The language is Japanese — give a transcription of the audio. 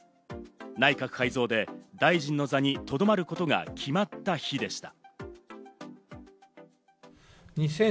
内閣改造で大臣の座に留まることが決まった日でした。